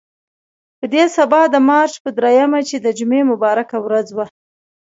په دې سبا د مارچ په درېیمه چې د جمعې مبارکه ورځ وه.